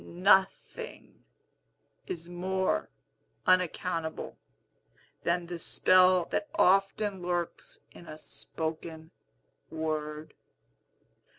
Nothing is more unaccountable than the spell that often lurks in a spoken word.